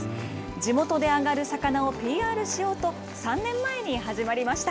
地元であがる魚をＰＲしようと、３年前に始まりました。